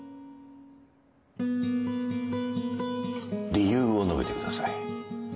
理由を述べてください。